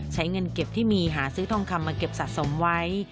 ใช้เงินเก็บที่มีหาซื้อทองคำมาเก็บสะสมไว้